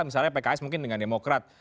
misalnya pks mungkin dengan demokrat